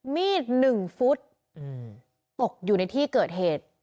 มีด๑ฟุตตกอยู่ในที่เกิดเหตุ